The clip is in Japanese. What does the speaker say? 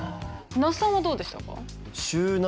那須さんはどうでしたか？